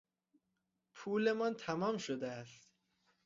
پولمان تمام شده است.